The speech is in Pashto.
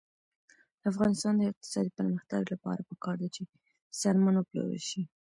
د افغانستان د اقتصادي پرمختګ لپاره پکار ده چې څرمن وپلورل شي.